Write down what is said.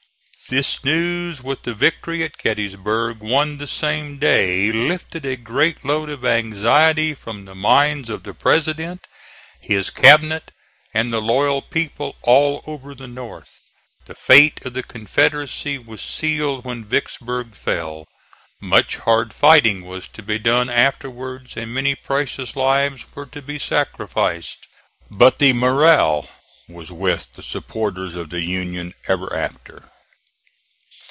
This news, with the victory at Gettysburg won the same day, lifted a great load of anxiety from the minds of the President, his Cabinet and the loyal people all over the North. The fate of the Confederacy was sealed when Vicksburg fell. Much hard fighting was to be done afterwards and many precious lives were to be sacrificed; but the MORALE was with the supporters of the Union ever after.